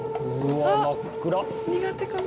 苦手かも。